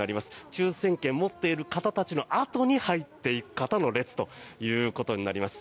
抽選券持ってる方たちのあとに入っていく方の列ということになります。